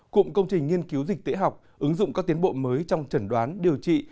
cụm công trình nghiên cứu dịch tễ học ứng dụng các tiến bộ mới trong chẩn đoán điều trị